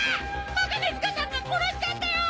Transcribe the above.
鋼鐵塚さんが殺しちゃったよ！